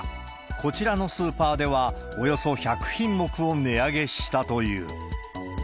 こちらのスーパーでは、およそ１００品目を値上げしたという。